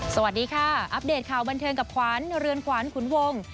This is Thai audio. สวัสดีค่ะอัปเดตข่าวบันเทิงกับขวัญเรือนขวานขุนวง